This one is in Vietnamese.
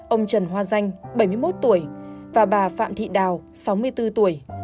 ông trần hoa danh bảy mươi một tuổi và bà phạm thị đào sáu mươi bốn tuổi